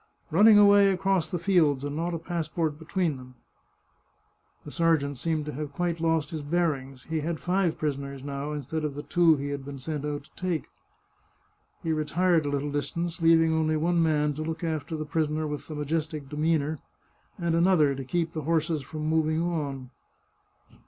" Running away across the fields, and not a passport be tween them !" The sergeant seemed to have quite lost his bearings. He had five prisoners now, instead of the two he had been sent out to take. He retired a little distance, leaving only one man to look after the prisoner with the majestic demeanour, and another to keep the horses from moving on.